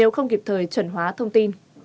không kịp thời chuẩn hóa thông tin